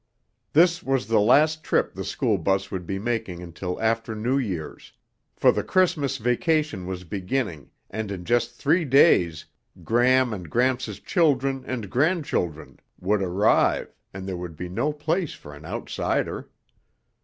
This was the last trip the school bus would be making until after New Year's, for the Christmas vacation was beginning and in just three days Gram and Gramps' children and grandchildren would arrive and there would be no place for an outsider.